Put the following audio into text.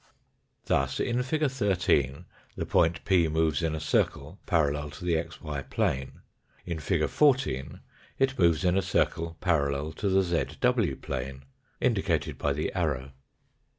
Thus in fig. 13 the point p moves in a circle parallel to the xy plane ; in fig. 14 it moves in a circle parallel to the zw plane, indicated by the arrow.